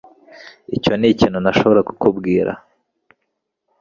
Icyo nikintu ntashobora kukubwira